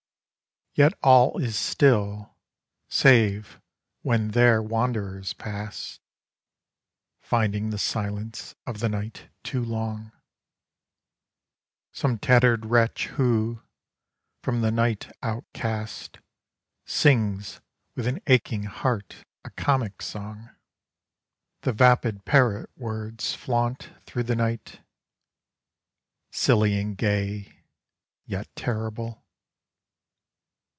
Yet all is still, save when there wanders past —Finding the silence of the night too long — Some tattered wretch who, from the night outcast, Sings with an aching heart a comic song. The vapid parrot words flaunt through the night — Silly and gay — yet terrible.